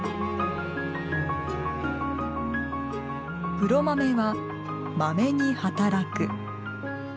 黒豆は、まめに働く。